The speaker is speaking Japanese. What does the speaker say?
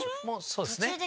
もうそうっすね。